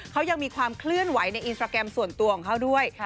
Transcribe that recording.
เขายังมีความเคลื่อนไหวในอินสตราแกรมส่วนตัวของเขาด้วย